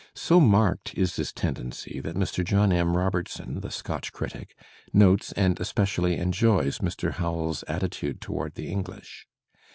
So marked is this tendency that Mr. John M. Robertson, the Scotch critic, notes and especially enjoys Mr. Howells's attitude toward the English.